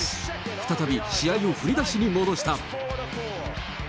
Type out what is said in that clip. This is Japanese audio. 再び試合を振り出しに戻した。